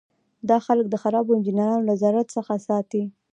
دا خلک د خرابو انجینرانو له ضرر څخه ساتي.